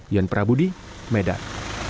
yon prabudi medan